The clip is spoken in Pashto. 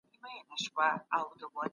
پوهان د ټولنيزو ځواکونو قواعد کشفوي.